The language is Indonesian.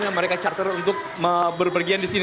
yang mereka charter untuk berpergian disini